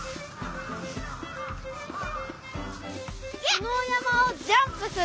このおやまをジャンプする。